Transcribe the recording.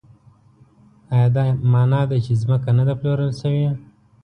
ایا دا مانا ده چې ځمکه نه ده پلورل شوې؟